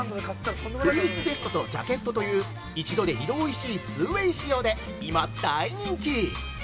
フリースベストとジャケットという一度で二度おいしい２ウェイ使用で、今大人気。